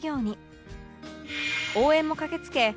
応援も駆けつけ